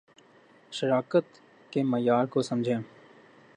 بھارتی supreme court نے I P L corruption case کا فیصلہ سنادیا